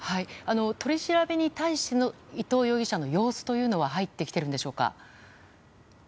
取り調べに対しての伊藤容疑者の様子というのは入ってきているんでしょうか。